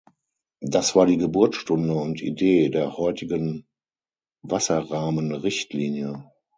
Das war die Geburtsstunde und Idee der heutigen Wasserrahmenrichtlinie.